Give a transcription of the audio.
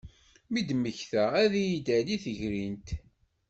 Mi d-mmektaɣ ad iyi-d-tali tegrint.